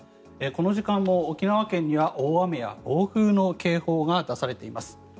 この時間も沖縄県には大雨や暴風に関する警報が出されています。